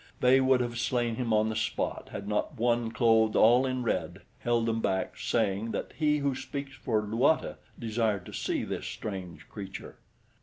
They would have slain him on the spot had not one clothed all in red held them back, saying that He Who Speaks for Luata desired to see this strange creature.